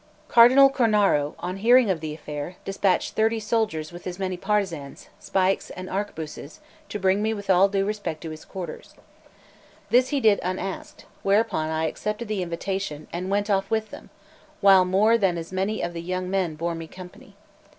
LXXIV CARDINAL CORNARO, on hearing of the affair, despatched thirty soldiers, with as many partisans, pikes, and arquebuses, to bring me with all due respect to his quarters. This he did unasked; whereupon I accepted the invitation, and went off with them, while more than as many of the young men bore me company.